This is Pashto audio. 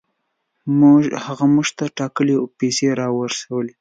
هغه موږ ته ټاکلې پیسې را رسولې.